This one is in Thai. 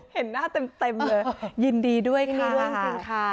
เห็นหน้าเต็มเลยยินดีด้วยค่ะ